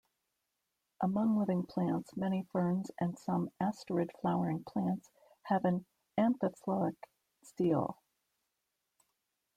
Among living plants, many ferns and some Asterid flowering plants have an amphiphloic stele.